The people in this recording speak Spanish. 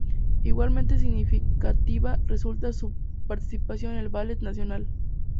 Igualmente significativa resulta su participación en el Ballet Nacional.